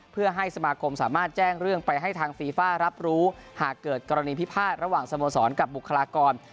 เพื่อให้สมาคมสามารถแจ้งเรื่องไปให้ทางฟีฟ่ารับรู้หากเกิดกรณีพิพาทระหว่างสโมสรกับบุคลากร